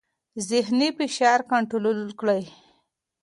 ذهني فشار کنټرول کړئ.